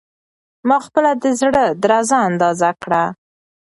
ما خپله د زړه درزا اندازه کړه.